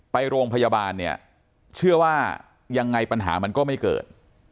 ไปโรงพยาบาลเนี่ยเชื่อว่ายังไงปัญหามันก็ไม่เกิด